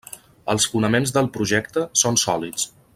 Els fonaments del projecte són sòlids.